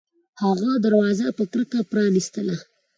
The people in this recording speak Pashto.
هغه دروازه په کرکه پرانیستله